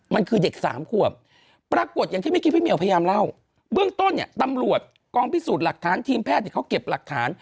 มันคือเด็กสามขวบปรากฏอย่างที่เมื่อกี้พี่เหี่ยวพยายามเล่าเบื้องต้นเนี่ยตำรวจกองพิสูจน์หลักฐานทีมแพทย์เขาเก็บหลักฐาน